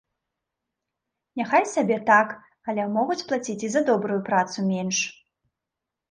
Няхай сабе так, але могуць плаціць і за добрую працу менш.